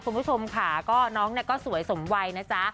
คุณผู้ชมค่ะน้องก็สวยสมวัยนะจ๊ะ